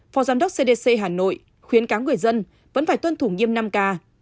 phó giám đốc cdc hà nội khuyến cáo người dân vẫn phải tuân thủ nghiêm năm k